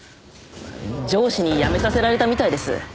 上司に辞めさせられたみたいです。